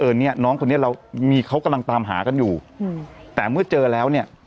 เนี้ยน้องคนนี้เรามีเขากำลังตามหากันอยู่อืมแต่เมื่อเจอแล้วเนี่ย